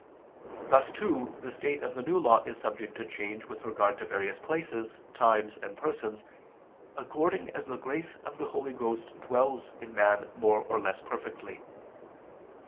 Thus, too, the state of the New Law is subject to change with regard to various places, times, and persons, according as the grace of the Holy Ghost dwells in man more or less perfectly.